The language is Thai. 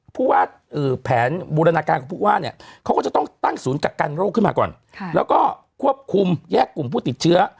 ผู้ว่าแผนบูรณาการของผู้ว่าเนี่ยเขาก็จะต้องตั้งศูนย์กักกันโรคขึ้นมาก่อนแล้วก็ควบคุมแยกกลุ่มผู้ติดเชื้อ